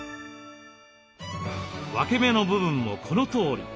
分け目の部分もこのとおり。